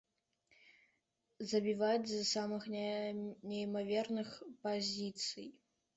Забіваць з самых неймаверных пазіцый.